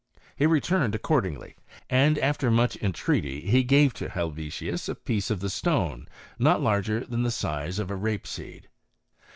He returned accordingly, and after much entreaty he gave to Helvetius a piece of the stone, not larger than the size of a rape seed.